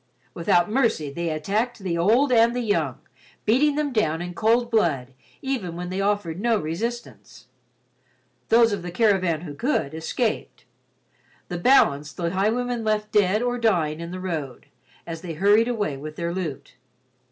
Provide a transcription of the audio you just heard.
Without mercy they attacked the old and the young, beating them down in cold blood even when they offered no resistance. Those of the caravan who could, escaped, the balance the highwaymen left dead or dying in the road, as they hurried away with their loot.